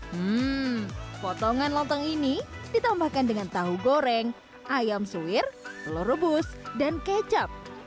hmm potongan lontong ini ditambahkan dengan tahu goreng ayam suwir telur rebus dan kecap